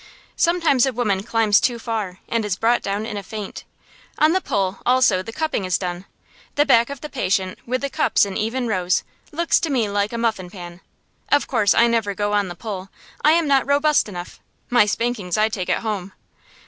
Sometimes a woman climbs too far, and is brought down in a faint. On the poll, also, the cupping is done. The back of the patient, with the cups in even rows, looks to me like a muffin pan. Of course I never go on the poll: I am not robust enough. My spankings I take at home.